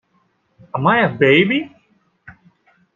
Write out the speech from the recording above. Am I a baby?